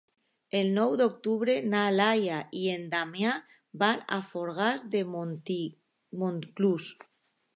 El nou d'octubre na Laia i en Damià van a Fogars de Montclús.